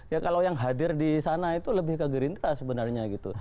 ya kalau yang hadir di sana itu lebih ke gerindra sebenarnya gitu